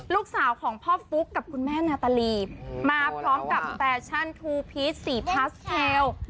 ลูกสาวของพ่อฟุ๊กกับคุณแม่นาตาลีมาพร้อมกับแฟชั่นทูพีชสีพาสเทล